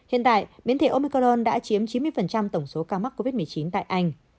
hiện tại biến thể omicron đã chiếm chín mươi tổng số ca mắc covid một mươi chín tại anh